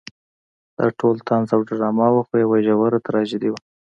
دا ټول طنز او ډرامه وه خو یوه ژوره تراژیدي وه.